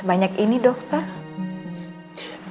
mungkin dia tahu sesuatu